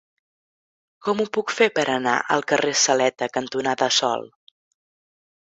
Com ho puc fer per anar al carrer Saleta cantonada Sol?